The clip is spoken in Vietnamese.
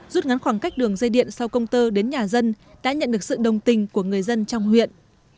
rút ngắn khoảng cách đường dây điện sau công tơ đến nhà dân đã nhận được sự đồng tình của người dân trong huyện